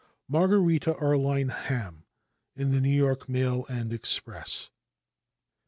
Margherita Arline Hamm in the New York Mail and Express.